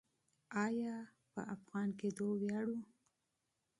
آیا په افغان کیدو ویاړو؟